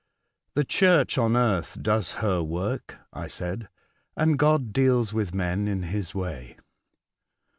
" The Church on earth does her work," I said, '^ and God deals with men in His way.